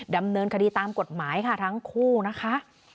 ดำเนินคดีตามกฎหมายค่ะทั้งคู่นะคะ